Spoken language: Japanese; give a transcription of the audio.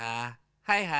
はいはい。